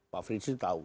pak fritsi tahu